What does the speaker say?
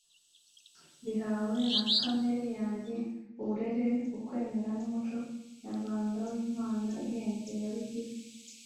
mbihawe na kamere yanjye, uburere, ukwemera, n'umuco nyarwanda wo mpano ihenze ya Rugira.